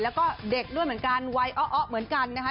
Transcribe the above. แล้วก็เด็กด้วยเหมือนกันวัยอ้อเหมือนกันนะคะ